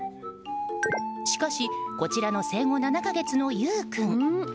しかし、こちらの生後７か月のゆう君。